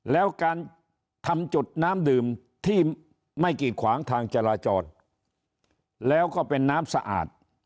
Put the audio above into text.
แล้วการทำจุดน้ำดื่มที่ไม่กีดขวางทางจราจรแล้วก็เป็นน้ำสะอาด